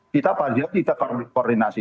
kita paham kita koordinasi